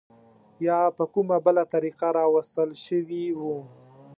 یا په کومه بله طریقه راوستل شوي وو.